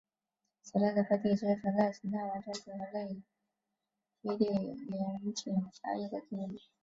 此类的飞地之存在型态完全符合内飞地最严谨狭义的定义。